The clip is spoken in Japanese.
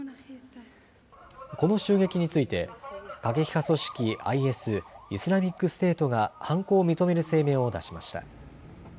この襲撃について過激派組織ＩＳ・イスラミックステートが犯行を認める声明を出しました。